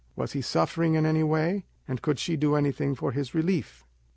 was he suffering in any way, and could she do anything for his relief?